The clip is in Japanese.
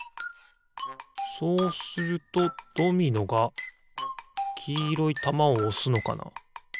そうするとドミノがきいろいたまをおすのかな？